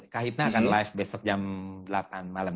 kak hidna akan live besok jam delapan malam